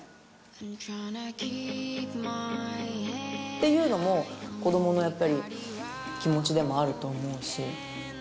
っていうのも子どものやっぱり気持ちでもあると思うし。